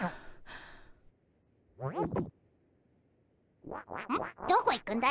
うん？